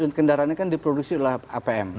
unit kendaraannya kan diproduksi oleh apm